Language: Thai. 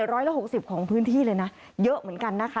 ร้อยละ๖๐ของพื้นที่เลยนะเยอะเหมือนกันนะคะ